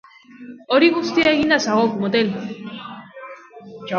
Hori guztia eginda zagok motel!